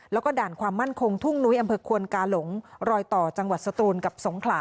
แล้วก็ด่านความมั่นคงทุ่งนุ้ยอำเภอควนกาหลงรอยต่อจังหวัดสตูนกับสงขลา